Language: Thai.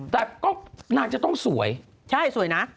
แต่ก็นางจะต้องสวยใช่สวยนะ